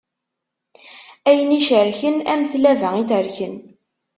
Ayen icerken, am tlaba iterken.